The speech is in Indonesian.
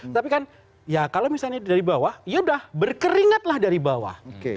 tapi kan ya kalau misalnya dari bawah ya udah berkeringatlah dari bawah